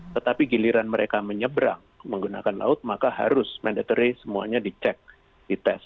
tetapi giliran mereka menyeberang menggunakan laut maka harus mandatory semuanya dicek dites